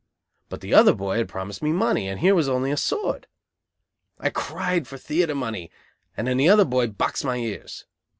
But the other boy had promised me money, and here was only a sword! I cried for theatre money, and then the other boy boxed my ears.